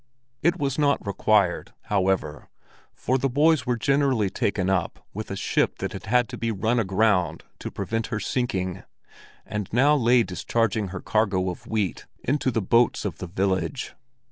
It was not required, however, for the boys were entirely taken up with a ship that had had to be run aground to prevent her sinking, and now lay discharging her cargo of wheat into the boats of the village.